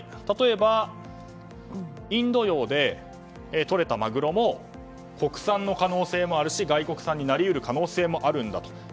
例えばインド洋でとれたマグロも国産の可能性もあるし外国産になり得る可能性もあるんだと。